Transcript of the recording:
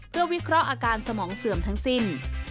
เพื่อวิเคราะห์อาการสมองเสื่อมทั้งสิ้น